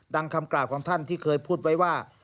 คำกล่าวของท่านที่เคยพูดไว้ว่า